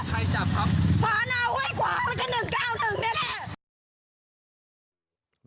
ศาลอ่อเว้ยกว่างอะไรกัน๑๙๑เนี่ย